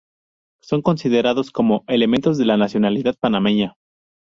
Son considerados como "Elementos de la Nacionalidad Panameña"